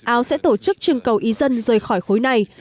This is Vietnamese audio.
áo sẽ tổ chức trưng cầu ý dân rời khỏi khối này